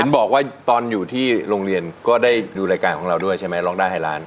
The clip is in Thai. บอกว่าตอนอยู่ที่โรงเรียนก็ได้ดูรายการของเราด้วยใช่ไหมร้องได้ให้ล้าน